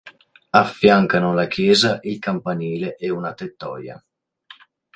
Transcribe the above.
Affiancano la chiesa il campanile e una tettoia.